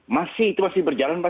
masih itu masih berjalan pak